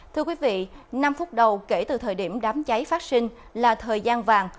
thưa quý vị năm phút đầu kể từ thời điểm đám cháy phát sinh là thời gian vàng